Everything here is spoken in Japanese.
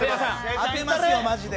当てますよ、マジで。